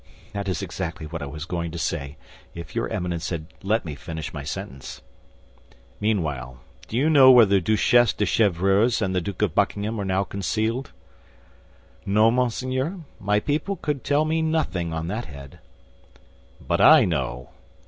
"That is exactly what I was going to say, if your Eminence had let me finish my sentence." "Meanwhile, do you know where the Duchesse de Chevreuse and the Duke of Buckingham are now concealed?" "No, monseigneur; my people could tell me nothing on that head." "But I know."